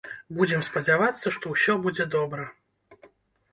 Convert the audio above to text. Будзем спадзявацца, што ўсё будзе добра.